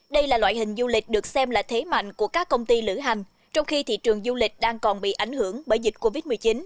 đây là loại hình du lịch được xem là thế mạnh của các công ty lữ hành trong khi thị trường du lịch đang còn bị ảnh hưởng bởi dịch covid một mươi chín